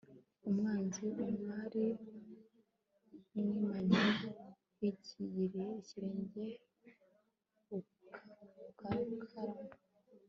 umwanzi, umwari mwimanyi yigiriye ikirenga urakarama